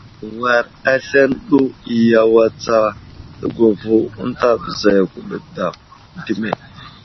War aslane ɗo iyaway tsa, təgwavo ənta bəza yo ɗi dəme !